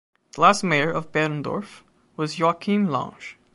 The last mayor of Behrendorf was Joachim Lange.